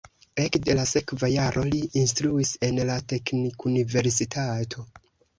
Ekde la sekva jaro li instruis en la teknikuniversitato.